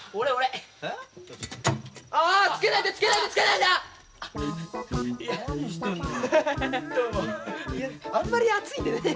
いやあんまり暑いんでね。